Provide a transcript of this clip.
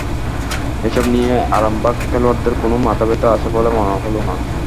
এসব নিয়ে আরামবাগ খেলোয়াড়দের কোনো মাথাব্যথা আছে বলে মনে হলো না।